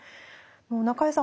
中江さん